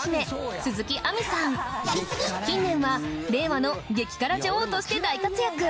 近年は令和の激辛女王として大活躍